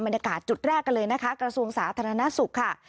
บรรยากาศจุดแรกกันเลยนะคะกระทรวงสาธารณสุขค่ะ